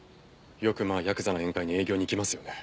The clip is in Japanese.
よくまあヤクザの宴会に営業に行きますよね。